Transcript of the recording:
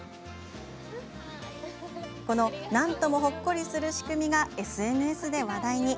この、なんともほっこりする仕組みが、ＳＮＳで話題に。